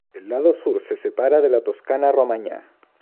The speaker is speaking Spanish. El lado sur se separa de la Toscana-Romaña.